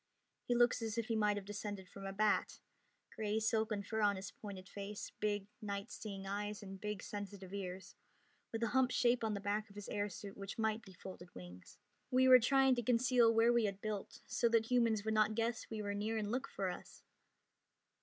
He looks as if he might have descended from a bat gray silken fur on his pointed face, big night seeing eyes, and big sensitive ears, with a humped shape on the back of his air suit which might be folded wings. "We were trying to conceal where we had built, so that humans would not guess we were near and look for us."